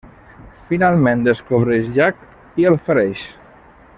Finalment descobreix Jack i el fereix.